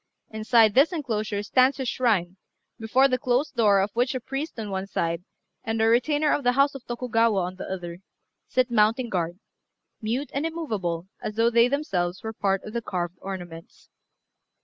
Inside this enclosure stands a shrine, before the closed door of which a priest on one side, and a retainer of the house of Tokugawa on the other, sit mounting guard, mute and immovable as though they themselves were part of the carved ornaments.